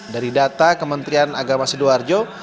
dari data kementerian agama sidoarjo